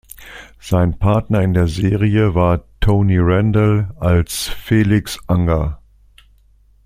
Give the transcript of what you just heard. Sein Partner in der Serie war Tony Randall als "Felix Unger".